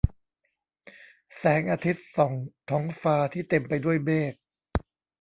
แสงอาทิตย์ส่องท้องฟ้าที่เต็มไปด้วยเมฆ